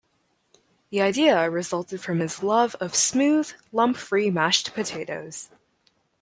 The idea resulted from his love of smooth, lump-free mashed potatoes.